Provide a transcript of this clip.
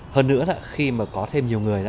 hơn nữa là khi mà có thêm nhiều người